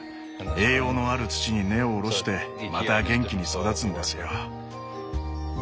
栄養のある土に根を下ろしてまた元気に育つんですよ。